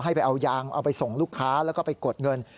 ไปเอายางเอาไปส่งลูกค้าแล้วก็ไปกดเงิน